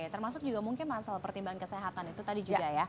termasuk juga mungkin masalah pertimbangan kesehatan itu tadi juga ya